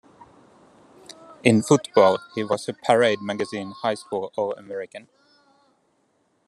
In football, he was a "Parade" magazine high school All-American.